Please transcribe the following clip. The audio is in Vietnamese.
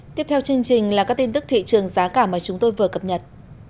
tiếp theo chương trình là các tin tức thị trường giá cả mà chúng tôi vừa cập nhật